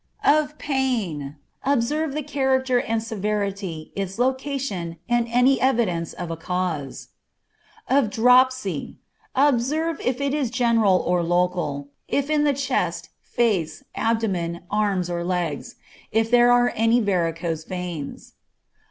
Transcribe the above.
Of pain. Observe the character and severity, its location, and any evidence of a cause. Of dropsy. Observe if it is general or local, if in the chest, face, abdomen, arms, or legs; if there are any varicose veins.